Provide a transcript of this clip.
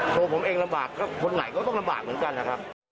ตัวผมเองลำบากก็คนไหนก็ต้องลำบากเหมือนกันนะครับ